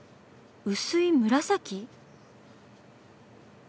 薄い紫？